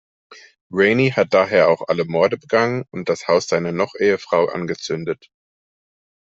Rainey hat daher auch alle Morde begangen und das Haus seiner Noch-Ehefrau angezündet.